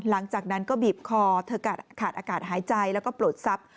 หลังจากนั้นก็บีบคอเธอขาดอากาศหายใจแล้วก็โปรดทรัพย์